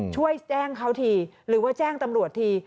ช่วยแจ้งเขาทีหรือว่าแจ้งตำรวจที